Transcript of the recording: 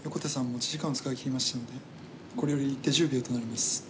持ち時間を使いきりましたのでこれより一手１０秒となります。